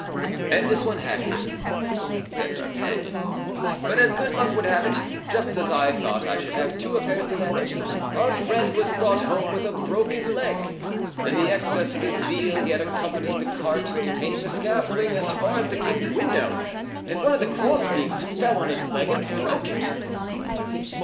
"And this one had his," said D'Artagnan; "but, as good luck would have it, just as I thought I should have two affairs to manage, our friend was brought home with a broken leg. In the excess of his zeal he had accompanied the cart containing the scaffolding as far as the king's window, and one of the crossbeams fell on his leg and broke it."